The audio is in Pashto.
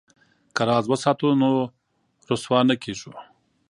که راز وساتو نو رسوا نه کیږو.